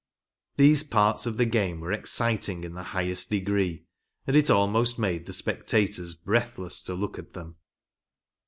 These parts of the game were exciting in the highest degree, and it almost made the spectators breathless to look at them."